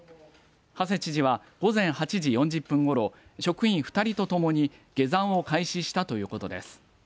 馳知事は午前８時４０分ごろ職員２人とともに下山を開始したということです。